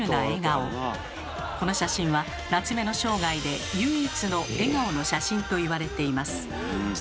この写真は夏目の生涯で唯一の笑顔の写真と言われています。